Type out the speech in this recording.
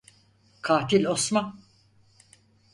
Katil Osman!